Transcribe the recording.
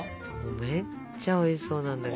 めっちゃおいしそうなんだけど。